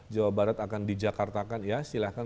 jawa barat akan di jakartakan ya silahkan